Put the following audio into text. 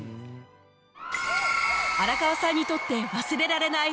荒川さんにとって忘れられない